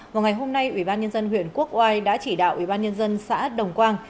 vào ngày hôm nay ủy ban nhân dân huyện quốc oai đã chỉ đạo ủy ban nhân dân xã đồng quang